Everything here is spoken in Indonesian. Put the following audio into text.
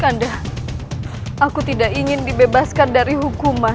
anda aku tidak ingin dibebaskan dari hukuman